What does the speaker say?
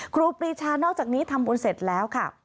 ครูปรีชานอกจากนี้ทำบุญเสร็จแล้วค่ะ